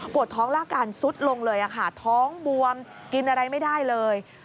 ปวดท้องรากการสุดลงเลยค่ะท้องบวมกินอะไรไม่ได้เลย